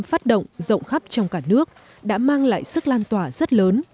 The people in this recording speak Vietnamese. phát động rộng khắp trong cả nước đã mang lại sức lan tỏa rất lớn